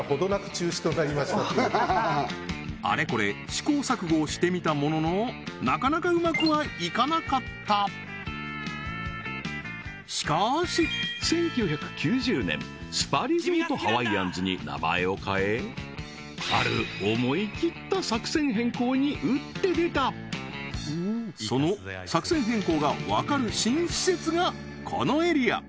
あれこれ試行錯誤をしてみたもののなかなかうまくはいかなかったしかし１９９０年スパリゾートハワイアンズに名前を変えある思い切った作戦変更に打って出たその作戦変更が分かる新施設がこのエリア